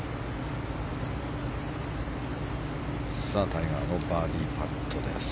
タイガーのバーディーパット。